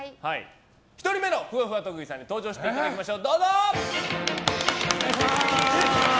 １人目のふわふわ特技さんに登場していただきましょう。